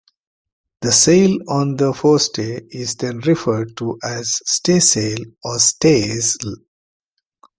The sail on the forestay is then referred to as the staysail or stays'l.